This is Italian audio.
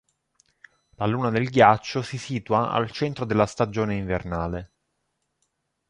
La Luna del Ghiaccio si situa al centro della stagione invernale.